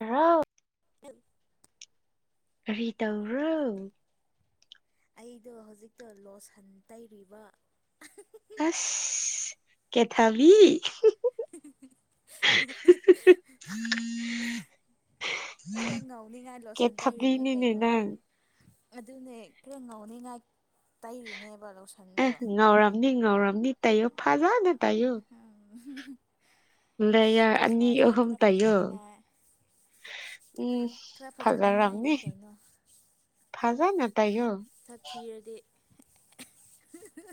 ꯍꯥꯎ ꯑꯦꯜ ꯀꯔꯤ ꯇꯧꯕꯔꯣ ꯑꯩꯗꯣ ꯍꯧꯖꯤꯛꯇꯣ ꯂꯣꯁꯟ ꯇꯩꯔꯤꯕ ꯑꯁ ꯀꯦꯊꯕꯤ [unintelligible] ꯈꯔ ꯉꯧꯅꯤꯡꯉꯥꯏ ꯂꯣꯁꯟ ꯇꯩꯔꯤꯅꯦ ꯀꯦꯊꯕꯤꯅꯤꯅꯦ ꯀꯩꯅꯣ ꯅꯪ ꯑꯗꯨꯅꯦ ꯈꯔ ꯉꯧꯅꯤꯡꯉꯥꯏ ꯇꯩꯔꯤꯅꯦꯕ ꯑꯦ ꯂꯣꯁꯟꯗꯣ ꯉꯧꯔꯝꯅꯤ ꯉꯧꯔꯝꯅꯤ ꯇꯩꯌꯣ ꯐꯖꯅ ꯇꯩꯌꯣ ꯎꯝ ꯂꯩꯌꯔ ꯑꯅꯤ ꯑꯍꯨꯝ ꯈꯔ ꯇꯩꯌꯣ ꯐꯖꯅꯤꯡꯉꯥꯏ ꯎꯝ ꯈꯔ ꯐꯖꯅꯤꯡꯉꯥꯏꯅꯦ ꯐꯖꯔꯝꯅꯤ ꯀꯩꯅꯣ ꯐꯖꯅ ꯇꯩꯌꯣ ꯊꯤꯔꯗꯤ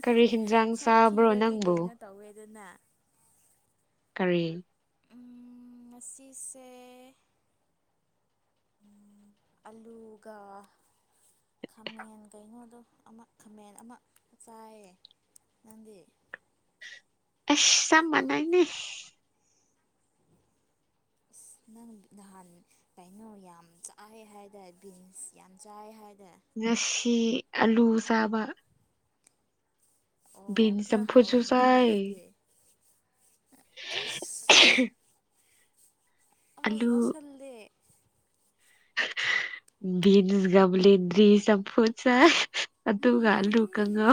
ꯀꯔꯤ ꯍꯤꯟꯖꯥꯡ ꯁꯛ ꯆꯥꯕ꯭ꯔꯣ ꯊꯤꯔꯗꯤ ꯅꯪꯕꯨ ꯀꯩꯅꯣ ꯇꯧꯋꯦꯗꯅ ꯀꯔꯤ ꯉꯁꯤꯁꯦ ꯑꯂꯨꯒ ꯈꯥꯃꯦꯟ ꯀꯩꯅꯣꯗꯣ ꯑꯃ ꯈꯥꯃꯦꯟ ꯑꯃ ꯆꯥꯏꯌꯦ ꯅꯥꯪꯗꯤ ꯑꯁ ꯆꯞ ꯃꯥꯅꯩꯅꯦ ꯑꯁ [inaudible] ꯅꯪ ꯅꯍꯥꯟ ꯀꯩꯅꯣ ꯌꯥꯝ ꯆꯥꯏ ꯍꯥꯏꯗꯔ ꯕꯤꯟꯁ ꯌꯥꯝ ꯆꯥꯏ ꯍꯥꯏꯗ ꯉꯁꯤ ꯑꯂꯨ ꯆꯥꯕ ꯑꯣ ꯕꯤꯟꯁ ꯆꯝ ꯈꯔ ꯐꯨꯠꯁꯨꯨ ꯍꯥꯎꯔꯝꯒꯅꯤꯅꯦ ꯆꯥꯏ ꯑꯗꯨꯗꯤ ꯑꯩꯁ ꯑꯃ ꯌꯥꯁꯜꯗꯦ ꯕꯤꯟꯁ ꯝꯂꯤꯗ꯭ꯔꯤ ꯁ ꯑꯃꯝꯄꯨꯁ ꯑꯗꯨ ꯑꯗꯨ ꯀꯂꯀꯉꯣ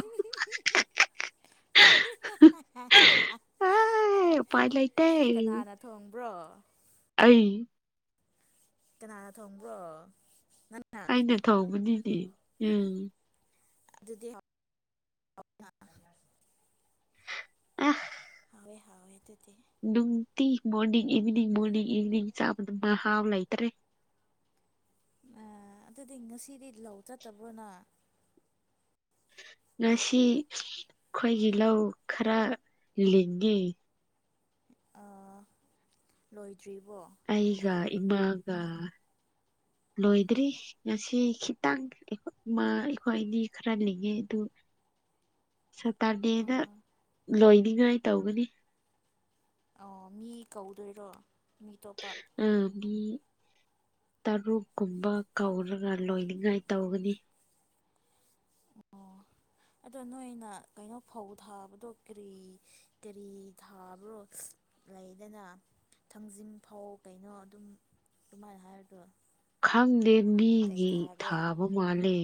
[unintelligible] ꯄꯥꯏ ꯂꯩꯥꯇꯦ꯫ ꯕ꯭ꯔꯣ ꯑꯩ ꯀꯅꯥꯅ ꯊꯣꯡꯕ꯭ꯔꯣ ꯅꯪꯅ ꯑꯩꯅ ꯇꯧꯕꯅꯤꯅꯦ ꯎꯝ ꯑꯗꯨꯗꯤ ꯑ ꯍꯣꯏ ꯍꯥꯎꯦꯗꯤ ꯅꯨꯡꯇꯤ ꯃꯣꯔꯅꯤꯡ ꯏꯚꯤꯅꯤꯡ ꯃꯣꯔꯅꯤꯡ ꯏꯚꯤꯅꯤꯡ ꯆꯥꯕꯗꯅ ꯍꯥꯎ ꯂꯩꯇ꯭ꯔꯦ ꯑ ꯑꯗꯨꯗꯤ ꯉꯁꯤꯗꯤ ꯂꯧ ꯆꯠꯇꯕ꯭ꯔꯣꯅ ꯉꯁꯤ ꯑꯩꯈꯣꯏꯒꯤ ꯂꯧ ꯈꯔ ꯂꯒꯦ ꯂꯣꯏꯗ꯭ꯔꯤꯕꯣ ꯏꯃꯒ ꯂꯣꯏꯗ꯭ꯔꯤ ꯉꯁꯤ ꯈꯤꯇꯪ ꯑꯩꯈꯣꯏ ꯑꯅꯤ ꯈꯔ ꯂꯤꯡꯉꯦ ꯑꯗꯨ ꯁꯇꯥꯔꯅꯦꯦꯅ ꯑꯥ ꯂꯣꯏꯅꯤꯡꯉꯥꯏ ꯇꯧꯒꯅꯤ ꯑꯣ ꯃꯤ ꯀꯧꯗꯣꯏꯔꯣ ꯃꯤ ꯑꯇꯣꯞꯄ ꯑ ꯃꯤ ꯇꯔꯨꯛ ꯀꯨꯝꯕ ꯀꯧꯔꯒ ꯂꯣꯏꯅꯤꯡꯉꯥꯏ ꯇꯧꯒꯅꯤ ꯑꯣ [inaudible] ꯑꯗꯣ ꯅꯣꯏꯅ ꯀꯩꯅꯣ ꯐꯧ ꯊꯥꯕꯗꯣ ꯀꯔꯤ ꯀꯔꯤ ꯊꯥꯕ꯭ꯔꯣ ꯂꯩꯗꯅ ꯊꯥꯡꯖꯤꯡ ꯐꯧ ꯀꯩꯅꯣ ꯑꯗꯨꯝ ꯑꯗꯨꯃꯥꯏꯅ ꯍꯥꯏꯔꯗꯣ ꯈꯪꯗꯦ ꯃꯤꯒꯤ ꯊꯥꯕ ꯃꯥꯜꯂꯦ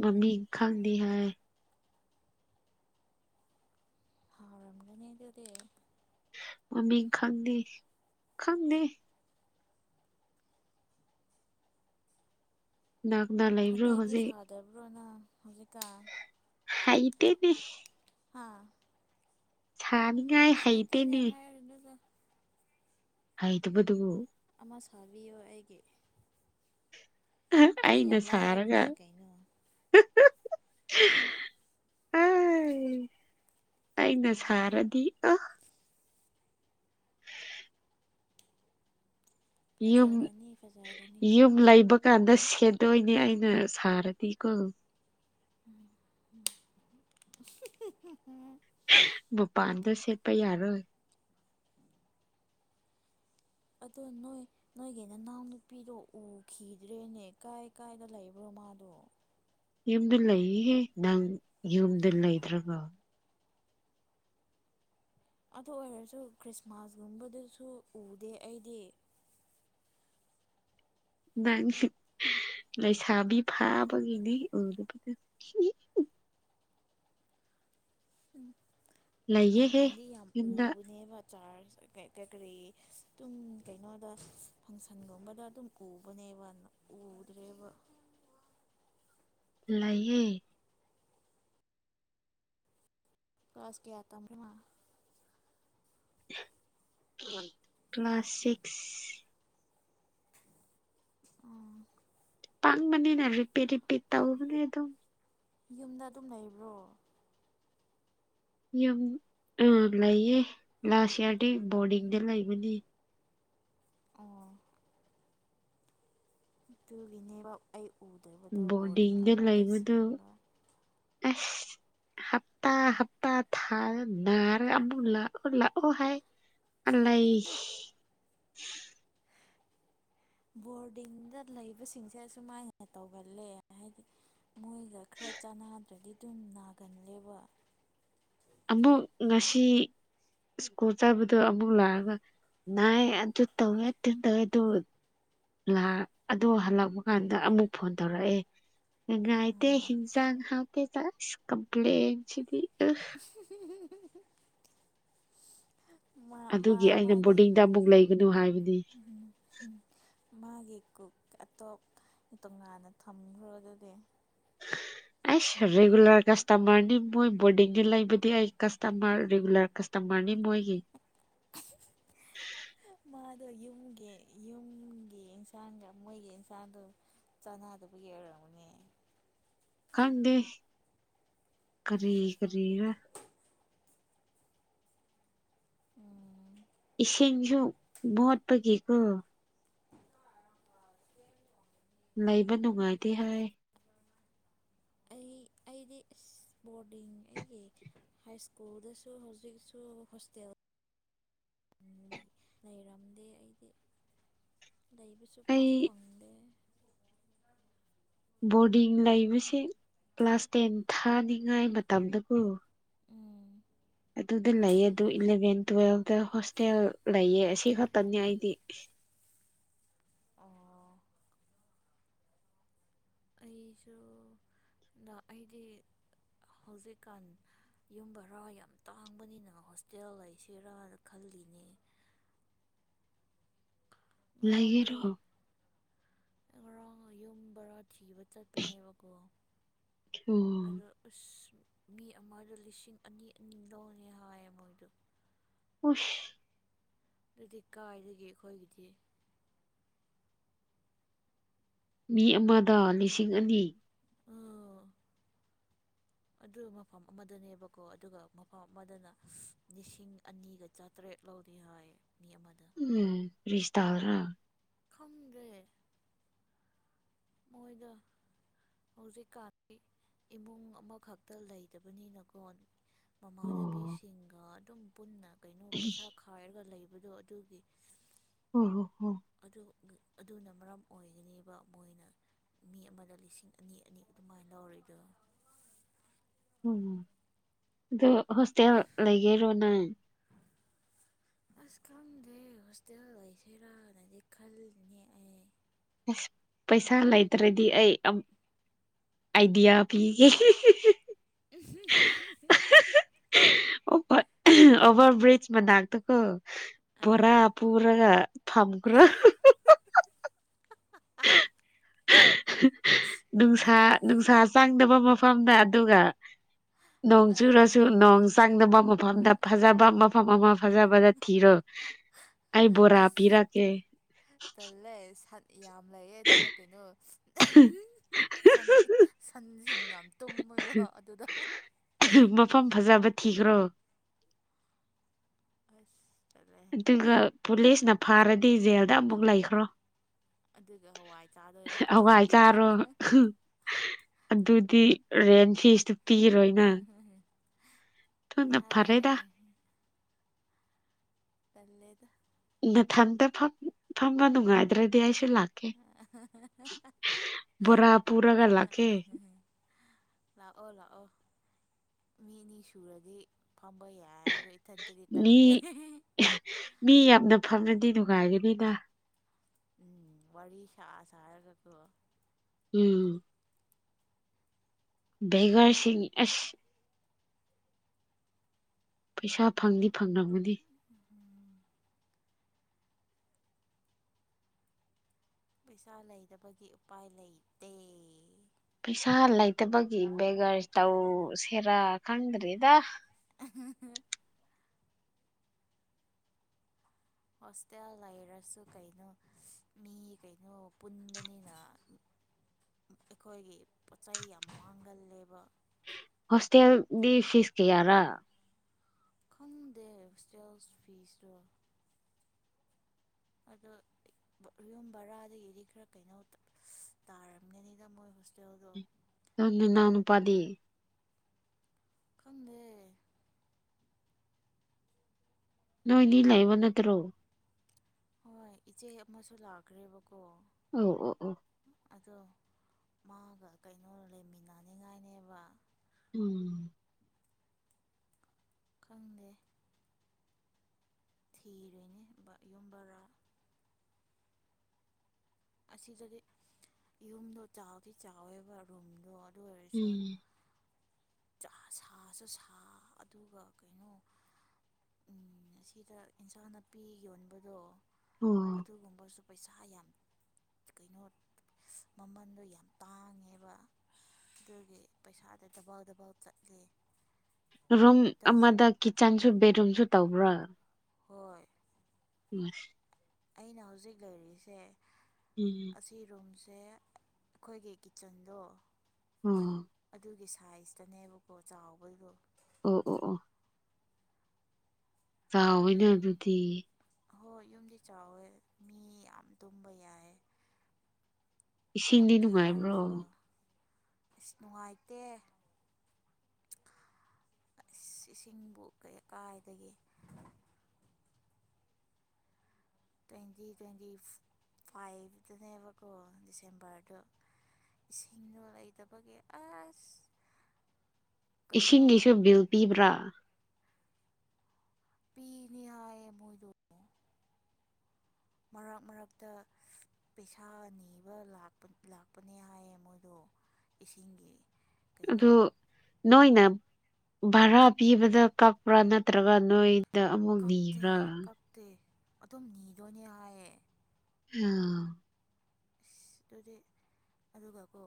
ꯃꯃꯤ ꯈꯪꯗꯤ ꯍꯥꯏ ꯍꯥꯎ ꯔꯝꯅꯤꯗꯤꯗ ꯃꯃꯤ ꯈꯗ ꯈꯥꯟꯗ ꯗꯅꯥꯥꯛꯗꯥ ꯂꯩꯕ꯭ꯔꯣ ꯍꯧꯖꯤꯛ ꯍꯧꯖꯤꯛ ꯍꯥꯏꯗꯦꯅꯦ ꯍꯥꯥ ꯊꯅꯤ ꯁꯩꯇꯦꯅꯦ ꯍꯥꯏꯔꯨꯅꯗ ꯍꯥꯏꯥꯏꯗꯕꯗꯨꯕꯨ ꯑꯃ ꯁꯥꯕꯤꯌꯣ ꯑꯩꯒꯤ ꯁꯤ ꯑꯩꯅ ꯌꯥꯝ ꯂꯥꯏꯕꯅꯦ ꯀꯩꯅꯣ ꯑ [inaudible] ꯑꯩꯅ ꯁꯔꯗꯤ ꯑ ꯌꯨꯝ ꯐꯖꯔꯅꯤ ꯐꯖꯔꯅꯤ ꯌꯨꯝ ꯂꯩꯕ ꯍꯧꯀꯥꯟꯗ ꯁꯦꯠꯇꯣꯏꯅꯦ ꯑꯩꯅ ꯁꯥꯔꯗꯤꯀꯣ [inaudible] ꯚꯕꯨꯄꯥꯟꯗ ꯁꯦꯠꯄ ꯌꯥꯔꯣꯏ ꯑꯗꯣ ꯅꯣꯏ ꯅꯣꯏꯒꯤ ꯅꯅꯥꯎꯅꯨꯄꯤꯗꯣ ꯎꯈꯤꯗ꯭ꯔꯦꯅꯦ ꯀꯥꯏ ꯀꯥꯏꯗ ꯂꯩꯕ꯭ꯔꯣꯣ ꯌꯨꯝꯗ ꯂꯩꯌꯦꯍꯦ ꯅꯪ ꯌꯨꯝꯗ ꯂꯩꯗ꯭ꯔꯕꯣ ꯑꯗꯨ ꯑꯣꯏꯔꯁꯨ ꯈ꯭ꯔꯤꯁꯃꯥꯁꯒꯨꯝꯕꯗꯨꯁꯨ ꯎꯗꯦ ꯑꯩꯗꯤ [unintelligible] ꯂꯩꯁꯥꯕꯤ ꯐꯥꯕꯒꯤꯅꯦ ꯎꯨꯕꯗ ꯎꯝ ꯂꯩꯌꯦꯍꯦ ꯅꯍꯥꯟꯗꯤ ꯌꯥꯝ ꯌꯨꯝꯗ ꯄꯨꯕꯅꯦꯕ ꯆꯥꯔꯖ ꯀꯔꯤ ꯀꯔꯤ ꯑꯗꯨꯝ ꯀꯩꯅꯣꯗ ꯐꯪꯁꯟꯒꯨꯝꯕꯗ ꯑꯗꯨꯝ ꯎꯕꯅꯦ ꯕꯟ ꯎꯗ꯭ꯔꯦꯕ [unintelligible] ꯂꯩꯌꯦ ꯀꯥꯁ ꯀꯌꯥ ꯇꯃ ꯀ꯭ꯂ ꯀ꯭ꯂꯥꯁ ꯁꯤꯛꯁ ꯎꯝ ꯄꯥꯡꯕꯅꯤꯅ ꯔꯤꯄꯤꯠ ꯔꯤꯄꯤꯠ ꯇꯧꯧꯕꯅꯤ ꯑꯗꯨꯝ ꯌꯨꯝꯗ ꯑꯗꯨꯝ ꯂꯩꯕ꯭ꯔꯣ ꯌꯥꯝ ꯑ ꯂꯩꯌꯦ ꯂꯥꯁ ꯏꯌꯥꯔꯗꯤ ꯕꯣꯔꯗꯤꯡꯗ ꯂꯩꯕꯅꯤ ꯑꯣ ꯑꯗꯨꯒꯤꯅꯦꯕ ꯑꯌꯨꯛ ꯕꯣꯔꯗꯤꯡꯗ ꯂꯩꯕꯗꯨ ꯑꯁ ꯍꯞꯇꯥ ꯍꯞꯇꯥ ꯊꯥꯗ ꯅꯥꯔꯒ ꯑꯃꯨꯛ ꯂꯥꯛꯑꯣ ꯂꯥꯛꯑꯣ ꯍꯥꯏ ꯑꯂꯏ ꯕꯣꯔꯗꯤꯡꯗ ꯂꯩꯕꯁꯤꯡꯁꯦ ꯑꯁꯨꯃꯥꯏꯅ ꯇꯧꯒꯜꯂꯦ ꯍꯥꯏꯗꯤ ꯃꯣꯏꯒ ꯈꯔ ꯆꯥꯟꯅꯗ꯭ꯔꯗꯤ ꯑꯗꯨꯝ ꯅꯥꯒꯜꯂꯦꯕ ꯑꯃꯨꯛ ꯉꯁꯤ ꯁ꯭ꯀꯨꯜ ꯆꯥꯕꯗꯣ ꯑꯃꯨꯛ ꯂꯥꯛꯑꯒ ꯅꯥꯏ ꯑꯗꯨ ꯇꯧꯋꯦ ꯇꯤꯟ ꯇꯧꯋꯦ ꯑꯗꯨ ꯑꯗꯣ ꯍꯜꯂꯛꯄ ꯀꯥꯟꯗ ꯑꯃꯨꯛ ꯐꯣꯟ ꯇꯧꯔꯛꯑꯦ ꯅꯨꯡꯉꯥꯏꯇꯦ ꯍꯤꯟꯖꯥꯡ ꯍꯥꯎꯇꯦ ꯆꯁ ꯀꯝꯄ꯭ꯂꯦꯟꯁꯤꯗꯤ ꯎ ꯃꯥ ꯃꯥ ꯑꯗꯨꯒꯤ ꯑꯩꯅ ꯃꯥꯒꯤ ꯕꯣꯔꯗꯤꯡꯗ ꯑꯃꯨꯛ ꯂꯩꯒꯅꯨ ꯍꯥꯏꯕꯅꯤ ꯃꯥꯒꯤ ꯀꯛ ꯑꯇꯣꯞ ꯇꯣꯉꯥꯟꯅ ꯊꯝꯈ꯭ꯔꯣ ꯑꯗꯨꯗꯤ ꯑꯩꯁ ꯔꯤꯒꯨꯂꯔ ꯀꯁꯇꯃꯔꯅꯤ ꯃꯣꯏ ꯕꯣꯔꯗꯤꯡꯗ ꯂꯩꯕꯗꯤ ꯑꯩ ꯀꯁꯇꯃꯔ ꯔꯤꯒꯨꯂꯔ ꯀꯁꯇꯃꯔꯅꯤ ꯃꯣꯏ ꯃꯥꯗꯣ ꯌꯨꯝꯒꯤ ꯌꯨꯝ ꯒꯤ ꯏꯟꯁꯥꯡꯒ ꯃꯣꯏꯒꯤ ꯏꯟꯁꯥꯡꯗꯨ ꯆꯅꯥꯗꯨꯕꯨ ꯌꯦꯛꯔꯕꯅꯦ ꯀꯔꯤ ꯀꯔꯤꯕ ꯎꯝ ꯏꯁꯤꯡꯁꯨ ꯃꯣꯠꯄꯒꯤꯀꯣ ꯂꯩꯕ ꯅꯨꯡꯉꯥꯏꯇꯦ ꯍꯥꯏ꯫ ꯑꯩ [inaudible] ꯑꯩꯗꯤ ꯕꯣꯔꯗꯤꯡ ꯑꯩꯒꯤ ꯍꯥꯏ ꯁ꯭ꯀꯨꯜꯗꯁꯨ ꯍꯧꯖꯤꯛꯁꯨ ꯍꯣꯁꯇꯦꯜ꯫ [inaudible] [unintelligible] ꯂꯩꯔꯝꯗꯦ ꯑꯩꯗꯤ꯫ ꯂꯩꯕꯁꯨ ꯄꯥꯛ ꯑꯩ ꯐꯪꯗꯦ꯫ ꯕꯣꯔꯗꯤꯡ ꯂꯩꯕꯁꯤ ꯀ꯭ꯂꯥꯁ ꯇꯦꯟ ꯊꯥꯅꯤꯡꯉꯥꯏ ꯃꯇꯝꯗꯀꯣ꯫ ꯎꯝ ꯑꯗꯨꯗ ꯂꯩꯌꯦ ꯑꯗꯨ ꯏꯂꯦꯚꯦꯟ ꯇꯨꯋꯦꯜꯇ ꯍꯣꯁꯇꯦꯜ ꯂꯩꯌꯦ ꯑꯁꯤ ꯈꯛꯇꯅꯦ ꯑꯩꯗꯤ꯫ ꯑꯣ꯫ ꯑꯩꯁꯨ ꯗꯣ ꯑꯩꯗꯤ ꯍꯧꯖꯤꯛꯀꯥꯟ꯫ ꯌꯨꯝꯕꯔꯥ ꯌꯥꯝ ꯇꯥꯡꯕꯅꯤꯅ ꯍꯣꯁꯇꯦꯜ ꯂꯩꯁꯤꯔꯥꯅ ꯈꯜꯂꯤꯅꯦ꯫ [unintelligible] ꯉꯔꯥꯡꯗꯣ ꯂꯩꯔꯛꯣ ꯉꯔꯥꯡ ꯌꯨꯝ ꯕꯣꯔꯥ ꯊꯤꯕ ꯆꯠꯄꯅꯦꯕꯀꯣ ꯑꯣ ꯑꯗ ꯎ ꯃꯤ ꯑꯃꯗ ꯂꯤꯁꯤꯡ ꯑꯅꯤ ꯑꯅꯤ ꯂꯧꯅꯤ ꯍꯥꯏꯌꯦ ꯃꯣꯏꯗꯨ ꯑꯣꯁ ꯑꯗꯨꯗꯤ ꯀꯥꯏꯗꯒꯤ ꯑꯩꯈꯣꯏꯒꯤꯗꯤ ꯃꯤ ꯑꯃꯗ ꯂꯤꯁꯤꯡ ꯑꯅꯤ ꯎ ꯑꯗꯨ ꯃꯐꯝ ꯑꯃꯗꯅꯦꯕꯀꯣ ꯑꯗꯨꯒ ꯃꯐꯝ ꯑꯃꯗꯅ ꯂꯤꯁꯤꯡ ꯑꯅꯤꯒ ꯆꯥꯇ꯭ꯔꯦꯠ ꯂꯧꯗꯤ ꯍꯥꯏ ꯎꯝ ꯐꯔꯤꯁꯇꯥ꯭ꯔ ꯈꯪꯗꯦ ꯃꯣꯏꯗ ꯍꯧꯖꯤꯛꯀꯥꯟꯗꯤ ꯏꯃꯨꯡ ꯑꯃꯈꯛꯇ ꯂꯩꯇꯕꯅꯤꯅꯀꯣ ꯑꯣ ꯃꯃꯥꯟꯅꯕꯤꯁꯤꯡꯒ ꯑꯗꯨꯝ ꯄꯨꯟꯅ ꯀꯩꯅꯣ ꯄꯩꯁꯥ ꯈꯥꯏꯔꯒ ꯂꯩꯕ ꯗꯣ ꯑꯗꯨꯒꯤ ꯑꯣ ꯍꯣ ꯑꯗꯨꯅ ꯃꯔꯝ ꯑꯣꯏꯒꯅꯦꯕ ꯃꯣꯏꯅ ꯃꯤ ꯑꯃꯗ ꯂꯤꯁꯤꯡ ꯑꯅꯤ ꯑꯅꯤ ꯑꯗꯨꯃꯥꯏꯅ ꯂꯧꯔꯏꯗꯣ ꯑꯣ ꯑꯗꯣ ꯍꯣꯁꯇꯦꯜ ꯂꯩꯒꯦꯔꯣꯅꯪ [unintelligible] ꯑꯁ ꯈꯪꯗꯦ ꯍꯣꯁꯇꯦꯜ ꯂꯩꯁꯤꯔꯥꯅꯗꯤ ꯈꯜꯂꯤꯅꯤ ꯑꯩ ꯑꯁ ꯄꯩꯁꯥ ꯂꯩꯇ꯭ꯔꯗꯤ ꯑꯩ ꯑꯥꯏꯗꯤꯌꯥ ꯄꯤꯒꯦ ꯎ ꯑꯣꯚ ꯑꯣꯚꯔꯕ꯭ꯔꯤꯖ ꯃꯅꯥꯗ ꯀꯣ ꯕꯣꯔꯥ ꯑꯥ ꯄꯨꯔꯥ ꯐꯝ ꯀꯒ꯭ꯔꯥ [unintelligible] ꯅꯨꯡꯁꯥ ꯅꯨꯡꯁꯥ ꯆꯪꯗꯕ ꯃꯐꯝꯗ ꯑꯗꯨꯒ ꯅꯣꯡ ꯆꯨꯔꯁꯨ ꯅꯣꯡ ꯆꯪꯗꯕ ꯃꯐꯝꯗ ꯐꯖꯕ ꯃꯐꯝ ꯑꯃ ꯐꯖꯕꯗ ꯊꯤꯔꯣꯏ ꯑꯩ ꯕꯣꯔꯥ ꯑꯩꯁ ꯄꯤꯔꯛꯀꯦ ꯇꯜꯂꯦ ꯁꯟ ꯌꯥꯝ ꯂꯩꯌꯦ ꯑꯗꯨꯗ ꯀꯩꯅꯣ ꯁꯟ ꯁꯟꯁꯤꯡ ꯌꯥꯝ ꯇꯨꯝꯕ ꯑꯣꯏ ꯍꯣ ꯑꯗꯨꯗ ꯃꯐꯝ ꯐꯖꯕ ꯊꯤꯈ꯭ꯔꯣ ꯑꯥꯁ ꯑꯗꯨꯒ ꯄꯨꯂꯤꯁꯅ ꯐꯥꯔꯗꯤ ꯖꯦꯜꯗ ꯑꯃꯨꯛ ꯂꯩꯈ꯭ꯔꯣ ꯑꯗꯨꯒ ꯍꯋꯥꯏ ꯆꯥꯗꯣꯏꯕ ꯍꯋꯥꯏ ꯆꯥꯔꯣ ꯑꯗꯨꯗꯤ ꯔꯦꯟ ꯐꯤꯤꯁꯇꯨ ꯄꯤꯔꯣꯣꯏꯅ ꯇꯅ ꯐꯔꯦꯗ ꯇꯜꯂꯦꯗ ꯃꯊꯟꯇ ꯐꯝꯕ ꯅꯨꯡꯉꯥꯏꯗ꯭ꯔꯗꯤ ꯑꯩꯁ ꯂꯥꯛꯀ ꯔ ꯄꯨꯔꯒ ꯂꯥꯛꯀ ꯂꯥꯛꯑꯣ ꯂꯥꯛꯑꯣ ꯃꯤꯅꯤ ꯁꯨꯔꯗꯤ ꯐꯝꯕꯩ ꯌꯥ ꯑꯗꯨ ꯏꯊꯟ ꯊꯗꯤ ꯃꯤ ꯇꯂꯦ ꯃꯅꯨꯡꯉꯥꯏꯒꯅꯤꯗ ꯎꯝ ꯋꯥꯔꯤ ꯁꯥꯛꯑ ꯁꯥ ꯍꯥꯏꯔꯒꯀ ꯎꯝ ꯦꯒꯔꯁꯤ ꯑꯁ ꯄꯩꯁꯥ ꯐꯪꯗꯤ ꯐꯪꯂꯝꯝꯒꯅꯤ ꯄꯩꯁꯥ ꯂꯩꯗꯕꯒꯤ ꯎꯄꯥꯏ ꯂꯩꯇꯦ ꯄꯩꯁꯥ ꯂꯩꯇꯕꯒꯤ ꯦꯒꯔ ꯇꯧ ꯁꯦꯔ ꯀꯪꯗ꯭꯭ꯔꯔꯤꯗ [unintelligible] ꯍꯣꯁꯇꯦꯜ ꯂꯩꯔꯁꯨ ꯀꯩꯅꯣ ꯃꯤ ꯀꯩꯅꯣ ꯄꯨꯟꯕꯅꯤꯅ ꯑꯩꯈꯣꯏꯒꯤ ꯄꯣꯠ ꯆꯩ ꯌꯥꯝ ꯃꯥꯡꯒꯜꯂꯦꯕ ꯍꯣꯁꯇꯦꯜꯗꯤ ꯐꯤꯤꯁ ꯀꯌꯥꯔ ꯈꯪꯗꯦ ꯍ ꯁꯦꯜꯁ ꯐꯤꯁ ꯔ ꯑꯗꯣ ꯌꯨꯝ ꯕꯔꯥꯗꯒꯤꯗꯤ ꯈꯔ ꯀꯩꯅꯣ ꯇꯥꯔꯝꯒꯅꯤꯗ ꯃꯣꯏ ꯍꯣꯁꯇꯦꯜꯗꯣ ꯑꯗꯨ ꯅꯅꯨꯄꯥꯗꯤ ꯈꯪꯗꯦ ꯅꯣꯏꯅꯤ ꯂꯩꯕ ꯅꯠꯇ꯭ꯔꯣ ꯍꯣꯏ ꯏꯆꯦ ꯑꯃꯁꯨ ꯂꯥꯛꯈ꯭ꯔꯦꯕꯀꯣ ꯑ ꯑꯣ ꯑꯣ ꯑꯗꯣ ꯃꯥꯒ ꯀꯩꯅꯣ ꯂꯩꯃꯤꯟꯅꯅꯤꯡꯉꯥꯏꯅꯦꯕ ꯎꯝ ꯈꯪꯗꯦ ꯊꯤꯔꯣꯏꯅꯦ ꯌꯨꯝ ꯕꯔꯥ ꯑꯁꯤꯗꯗꯤ ꯌꯨꯝꯗꯣ ꯆꯥꯎꯗꯤ ꯆꯥꯎꯋꯦꯕ ꯔꯨꯝꯗꯣ ꯑꯣꯏꯔꯁꯨ ꯎꯝ ꯁꯥꯁꯨ ꯁꯥ ꯑꯗꯨꯒ ꯀꯩꯅꯣ ꯎ ꯑꯁꯤꯗ ꯏꯟꯁꯥꯡ ꯅꯥꯄꯤ ꯌꯣꯟꯕꯗꯣ ꯑꯣ ꯑꯗꯨꯒꯨꯝꯕꯁꯨ ꯄꯩꯁꯥ ꯌꯥꯝ ꯀꯩꯅꯣ ꯃꯃꯟꯗꯣ ꯌꯥꯝ ꯇꯥꯡꯉꯦꯕ ꯑꯗꯨꯒꯤ ꯄꯩꯁꯥꯗ ꯗꯕꯥꯎ ꯗꯕꯥꯥꯎ ꯆꯠꯂꯤ ꯔꯨꯝ ꯑꯃꯗ ꯀꯤꯠꯆꯟꯁꯨ ꯕꯦꯠꯔꯨꯝꯁꯨ ꯇꯧꯕ꯭ꯔꯥ ꯍꯣꯏ ꯁ ꯑꯩꯅ ꯍꯧꯖꯤꯛ ꯂꯩꯔꯤꯁꯦ ꯎꯝ ꯑꯁꯤꯔꯨꯝꯁ ꯁꯦ ꯑꯩꯈꯣꯏꯒꯤ ꯀꯤꯠꯆꯟꯗꯣ ꯑꯣ ꯒꯤ ꯁꯥꯏꯖꯇꯅꯦꯕꯀꯣ ꯆꯥꯎꯕꯗꯣ ꯑꯣ ꯑꯣ ꯑꯣ ꯆꯥꯎꯋꯅ ꯌꯨꯝ ꯑꯗꯨꯗꯤ ꯍꯣꯏ ꯌꯨꯝꯗꯤ ꯆꯥꯎꯋꯦ ꯃꯤ ꯌꯥꯝ ꯇꯨꯝꯕ ꯌꯥꯏ ꯐꯛ ꯏꯁꯤꯡꯗꯤ ꯅꯨꯡꯉꯥꯏꯕ꯭ꯔꯣ ꯊꯥꯔꯒꯀꯣ ꯅꯨꯡꯉꯥꯏꯇꯦ ꯏꯁꯤꯡꯕꯨ ꯀꯥꯏꯗꯒꯤ ꯇ꯭ꯋꯦꯟꯇꯤ ꯇ꯭ꯋꯦꯟꯇꯤ ꯐꯥꯏꯚꯇꯅꯦꯕꯀꯣ ꯗꯤꯁꯦꯝꯕꯔꯗ ꯏꯁꯤꯡꯗꯣ ꯂꯩꯇꯕꯒꯤ ꯑꯁ ꯀꯩꯅꯣ ꯏꯁꯤꯡꯒꯤꯁꯨ ꯕꯤꯜ ꯄꯤꯕ꯭ꯔꯥ ꯄꯤꯅꯤꯌꯥꯑ ꯃꯗ ꯃꯔꯛ ꯃꯔꯇ ꯄꯩꯁꯥ ꯅꯤꯕ ꯂꯥꯛꯄ ꯂꯥꯛꯄꯅꯦ ꯍꯥꯏꯌꯦ ꯃꯣꯏꯗꯣ ꯏꯁꯤꯡꯒꯤ ꯀꯩꯅꯣ ꯑꯗꯨꯗꯣ ꯅꯣꯏꯅꯝ ꯚꯔꯥ ꯄꯤꯕꯗ ꯀꯛꯄ꯭ꯔꯥ ꯅꯠꯇ꯭ꯔꯒ ꯅꯣꯏꯗ ꯑꯃꯨꯛ ꯀꯛꯇꯦ ꯅꯤꯕ꯭ꯔꯥ ꯀꯛꯇꯦ ꯑꯗꯨꯝ ꯅꯤꯗꯣꯏꯅꯦ ꯍꯥꯏꯌꯦ ꯑꯥ ꯑꯗꯨꯗꯤ ꯑꯗꯨꯒꯀꯣ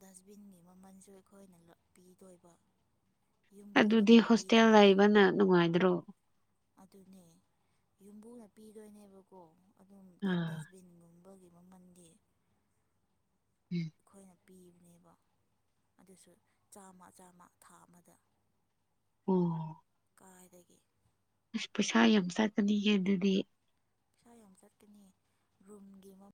ꯗꯁꯕꯤꯟꯒꯤ ꯃꯃꯜꯁꯨ ꯑꯩꯈꯣꯏꯅ ꯄꯤꯗꯣꯏꯕ ꯌꯨꯝꯕꯨꯅ ꯑꯗꯨꯗꯤ ꯍꯣꯁꯇꯦꯜ ꯇꯧꯕꯤꯗ꯭ꯔꯦ ꯂꯩꯕꯅ ꯅꯨꯡꯉꯥꯏꯗ꯭ꯔꯣ ꯑꯗꯨꯅꯦ ꯌꯨꯝꯕꯨꯅ ꯄꯤꯗꯣꯏꯅꯦꯕꯀꯣ ꯑꯗꯨꯝ ꯑ ꯗꯁꯕꯤꯟꯒꯨꯝꯕꯒꯤ ꯃꯃꯜꯗꯤ ꯎꯝ ꯑꯩꯈꯣꯏꯅ ꯄꯤꯕꯅꯦꯕ ꯑꯗꯨꯁꯨ ꯆꯥꯝꯃ ꯆꯥꯝꯃ ꯊꯥ ꯑꯃꯗ ꯑꯣ ꯀꯥꯏꯗꯒꯤ ꯑꯁ ꯄꯩꯁꯥ ꯌꯥꯝ ꯆꯠꯀꯅꯤꯌꯦ ꯑꯗꯨꯗꯤ ꯄꯩꯁꯥ ꯌꯥꯝ ꯆꯠꯀꯅꯤ ꯔꯨꯝꯒꯤ ꯃ